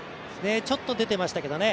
ちょっと出てましたけどね